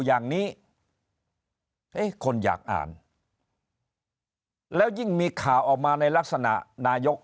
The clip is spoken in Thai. อย่างนี้เอ๊ะคนอยากอ่านแล้วยิ่งมีข่าวออกมาในลักษณะนายก